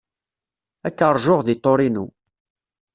Ad k-ṛjuɣ deg Torino.